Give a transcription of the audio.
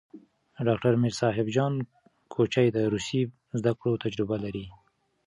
ډاکټر میر صاب جان کوچي د روسي زدکړو تجربه لري.